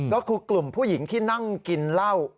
ก็คือกลุ่มผู้หญิงที่นั่งกินเหล้า